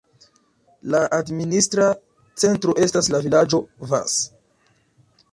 La administra centro estas la vilaĝo Vas.